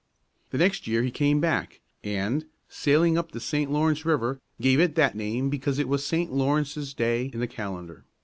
The next year he came back, and, sailing up the St. Lawrence River, gave it that name because it was Saint Lawrence's day in the calendar.